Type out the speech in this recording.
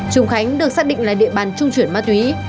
trùng khánh được xác định là địa bàn trung chuyển ma túy